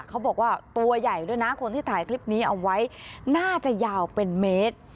เขาบอกว่าตัวใหญ่ด้วยนะคนที่ถ่ายคลิปนี้เอาไว้น่าจะยาวเป็นเมตร